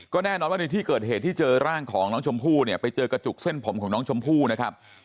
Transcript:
แน่นอนว่าในที่เกิดเหตุที่เจอร่างของน้องชมพู่เนี่ยไปเจอกระจุกเส้นผมของน้องชมพู่นะครับ